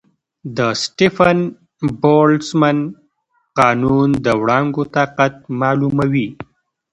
د سټیفن-بولټزمن قانون د وړانګو طاقت معلوموي.